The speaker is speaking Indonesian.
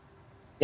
jadi baru lalu ya